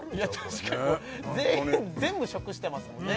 確かにこれ全員全部食してますもんね